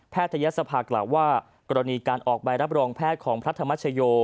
แพทยศภาษีก็แหน่งว่ากรณีการออกใบรับรองแพทย์ของพระธมาชโชย